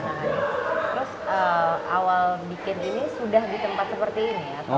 nah terus awal bikin ini sudah di tempat seperti ini